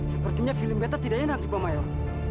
sepertinya film betta tidak enak pak mayor